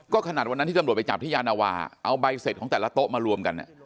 ขนาดวันนั้นที่ตำรวจไปจับที่ยานาวาเอาใบเสร็จของแต่ละโต๊ะมารวมกัน